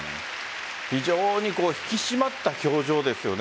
非常に引き締まった表情ですよね。